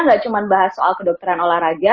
gak cuman bahas soal kedokteran olahraga